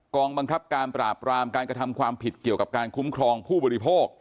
องบังคับการปราบรามการกระทำความผิดเกี่ยวกับการคุ้มครองผู้บริโภค